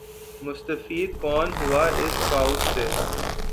مستفید کون ہوا اس کاؤس سے ۔